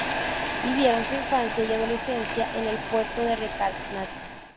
Vivieron su infancia y adolescencia en el puerto de Recanati.